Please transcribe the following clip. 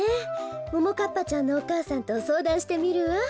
ももかっぱちゃんのお母さんとそうだんしてみるわ。